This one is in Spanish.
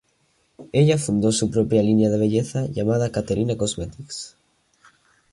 Ella fundó su propia línea de belleza llamada Katerina Cosmetics.